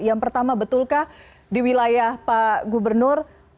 yang pertama betulkah di wilayah pak gubernur